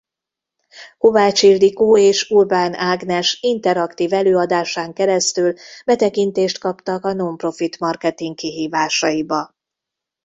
Kovács Ildikó és Urbán Ágnes interaktív előadásán keresztül betekintést kaptak a nonprofit marketing kihívásaiba.